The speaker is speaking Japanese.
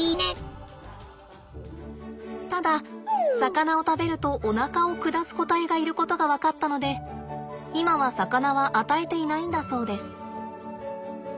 ただ魚を食べるとおなかを下す個体がいることが分かったので今は魚は与えていないんだそうです。